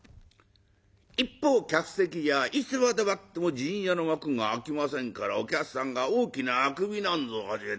一方客席はいつまで待っても「陣屋」の幕が開きませんからお客さんが大きなあくびなんぞを始め